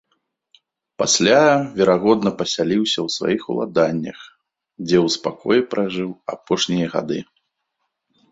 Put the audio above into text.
Пасля, верагодна, пасяліўся ў сваіх уладаннях, дзе ў спакоі пражыў апошнія гады.